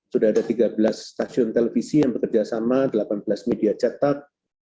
sudah ada tiga belas stasiun televisi yang bekerja sama delapan belas media cetak